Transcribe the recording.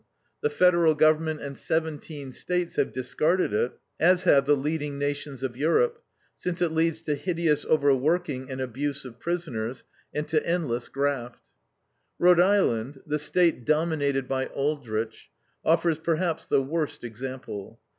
The Federal government and seventeen States have discarded it, as have the leading nations of Europe, since it leads to hideous overworking and abuse of prisoners, and to endless graft. Rhode Island, the State dominated by Aldrich, offers perhaps the worst example.